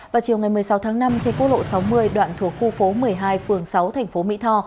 vào chiều ngày một mươi sáu tháng năm trên quốc lộ sáu mươi đoạn thuộc khu phố một mươi hai phường sáu thành phố mỹ tho